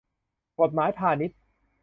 กฎหมายพาณิชย์